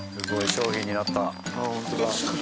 商品になった。